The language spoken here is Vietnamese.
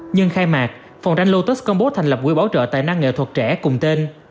nhân khai mạc phòng tranh lotus công bố thành lập quỹ bảo trợ tài năng nghệ thuật trẻ cùng tên